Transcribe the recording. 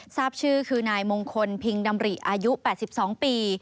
ทราบชื่อคือนายมงคลพิงดำริอายุ๘๒ปี